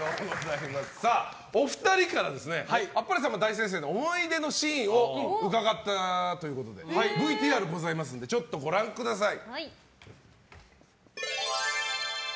お二人から「あっぱれさんま大先生」の思い出のシーンを伺ったということでＶＴＲご覧ください。